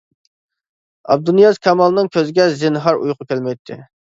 ئابدۇنىياز كامالنىڭ كۆزىگە زىنھار ئۇيقۇ كەلمەيتتى.